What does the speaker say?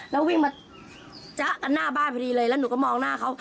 แล้ววิ่งมาจ๊ะกันหน้าบ้านพอดีเลยแล้วหนูก็มองหน้าเขา